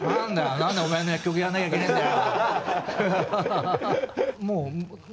何でお前の楽曲やんなきゃいけねえんだよ」。